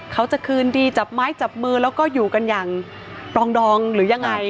เขาจะคืนดีจับไม้จับมือแล้วก็อยู่กันอย่างปรองดองหรือยังไง